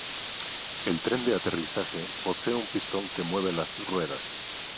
El tren de aterrizaje posee un pistón que mueve las ruedas.